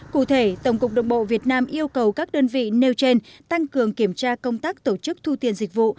cụ thể tổng cục đường bộ việt nam yêu cầu các đơn vị nêu trên tăng cường kiểm tra công tác tổ chức thu tiền dịch vụ